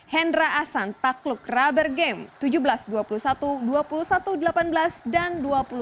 hendra ahsan takluk rubber game tujuh belas dua puluh satu dua puluh satu delapan belas dan dua puluh satu delapan belas